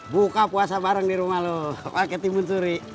buka puasa bareng di rumah loh pakai timun suri